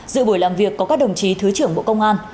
dự buổi làm việc có các đồng chí thứ trưởng bộ công an